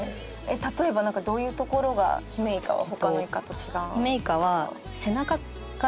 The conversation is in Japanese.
例えばどういうところがヒメイカは他のイカと違う？